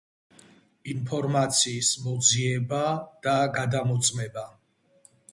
ინფორმაციის მოძიება და გადამოწმება